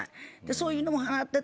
そういうのも払ってた。